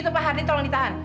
itu pak hardi tolong ditahan